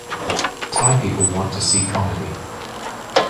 Thai people want to see comedy.